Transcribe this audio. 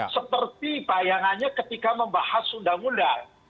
seperti bayangannya ketika membahas undang undang